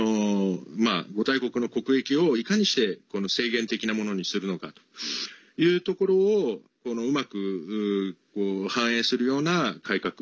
５大国の国益を、いかにして制限的なものにするのかというところをうまく反映するような改革